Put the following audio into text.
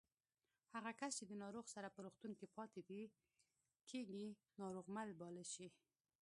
هغه کس چې د ناروغ سره په روغتون کې پاتې کېږي ناروغمل باله شي